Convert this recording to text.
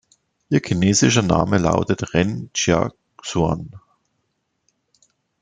Ihr chinesischer Name lautet Ren Jia Xuan.